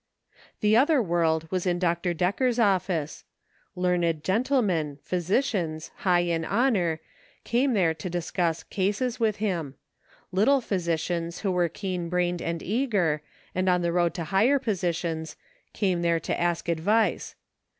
The other world was in Dr. Decker's office. Learned gentlemen, physicians, high in honor, came there to discuss " cases " with him ; little physicians who were keen brained and eager, and on the road to higher positions, came there to ask advice.